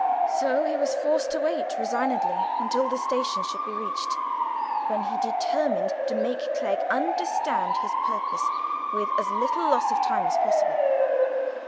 So he was forced to wait resignedly until the station should be reached, when he determined to make Clegg understand his purpose with as little loss of time as possible.